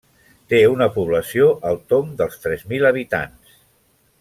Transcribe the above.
Té una població al tomb dels tres mil habitants.